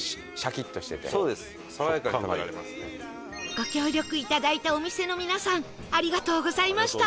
ご協力いただいたお店の皆さんありがとうございました！